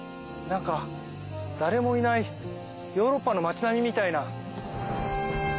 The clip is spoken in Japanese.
誰もいないヨーロッパの街並みみたいな。